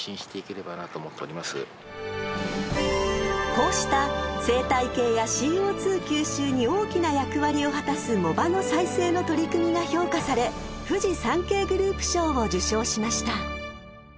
［こうした生態系やＣＯ２吸収に大きな役割を果たす藻場の再生の取り組みが評価されフジサンケイグループ賞を受賞しました］